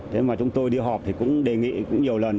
thế mà chúng tôi đi họp thì cũng đề nghị cũng nhiều lần